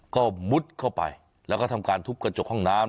ก็มุดเข้าไปแล้วก็ทำการทุบกระจกห้องน้ำ